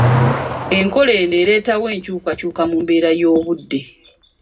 Enkola eno ereetawo enkyukakyuka mu mbeera y'obudde.